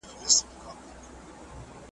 چی خوله پوری په نغمه کی زما زړه هم ورته گډېږی .